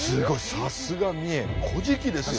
さすが三重「古事記」ですよ。